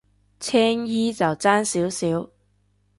青衣就爭少少